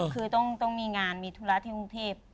คือต้องมีงานมีธุระที่กรุงเทพ